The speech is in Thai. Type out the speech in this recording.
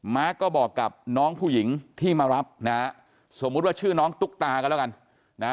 ก็บอกกับน้องผู้หญิงที่มารับนะฮะสมมุติว่าชื่อน้องตุ๊กตาก็แล้วกันนะฮะ